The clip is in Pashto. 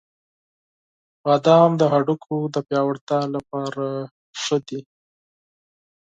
• بادام د هډوکو د پیاوړتیا لپاره اړین دي.